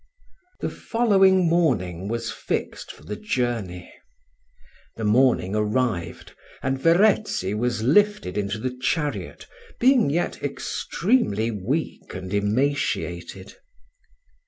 The following morning was fixed for the journey. The morning arrived, and Verezzi was lifted into the chariot, being yet extremely weak and emaciated.